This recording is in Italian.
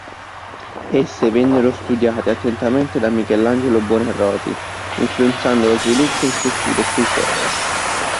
Esse vennero studiate attentamente da Michelangelo Buonarroti, influenzando lo sviluppo il suo stile scultoreo.